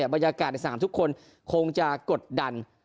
บรรยากาศในสนามทุกคนคงจะกดดัน